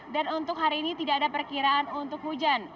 dan untuk hari ini tidak ada perkiraan untuk hujan